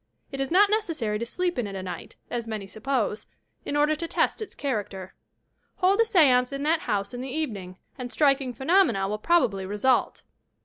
It is not necessary to sleep in it a night, as many suppose, in order to test its character. Hold a seance in that house in the eve ning, and striking phenomena will probably result.